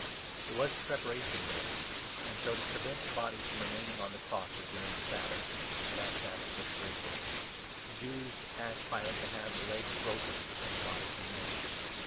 It was the Preparation Day, and so, to prevent the bodies 31 from remaining on the crosses during the Sabbath (for that Sabbath was a great day), the Jews asked Pilate to have the legs broken and the bodies removed.